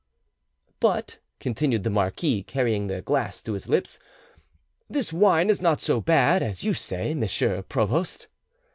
"But," continued the marquis, carrying the glass to his lips, "this wine is not so bad as you say, monsieur provost."